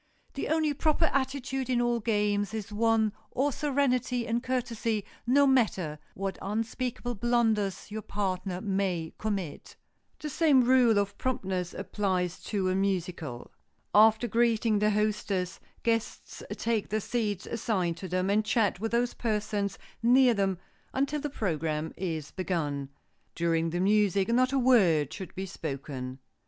The only proper attitude in all games is one or serenity and courtesy no matter what unspeakable blunders your partner may commit. The same rule of promptness applies to a musicale. After greeting the hostess, guests take the seats assigned to them, and chat with those persons near them until the program is begun. During the music not a word should be spoken.